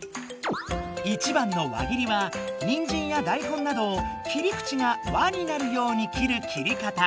１番の「輪切り」はニンジンやダイコンなどを切り口が輪になるように切る切り方。